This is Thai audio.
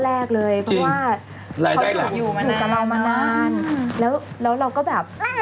แล้วเราก็แบบ